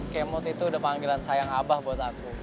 kemote itu udah panggilan sayang abah buat aku